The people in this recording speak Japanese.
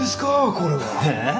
これは！え？